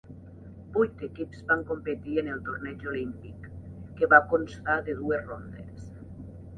Vuit equips van competir en el torneig Olímpic, que va constar de dues rondes.